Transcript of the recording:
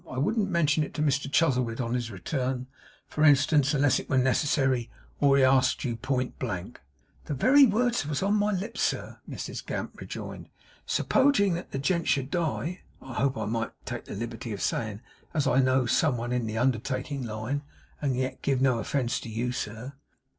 I wouldn't mention it to Mr Chuzzlewit on his return, for instance, unless it were necessary, or he asked you pointblank.' 'The very words was on my lips, sir,' Mrs Gamp rejoined. 'Suppoging that the gent should die, I hope I might take the liberty of saying as I know'd some one in the undertaking line, and yet give no offence to you, sir?